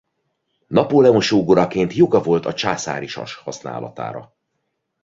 Napóleon sógoraként joga volt a császári sas használatára.